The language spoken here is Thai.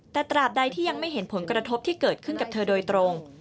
แต่ตราบใดที่ยังไม่เห็นผลกระทบที่เกิดขึ้นกับเธอโดยตรง